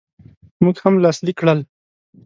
موږ هم لاسلیک کړل.